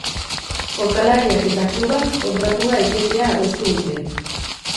Jokalariak eta klubak kontratua etetea adostu dute.